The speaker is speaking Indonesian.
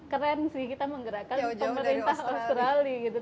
keren sih kita menggerakkan pemerintah australia gitu